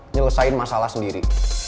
nyelesain masalah sendiri